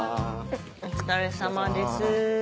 お疲れさまです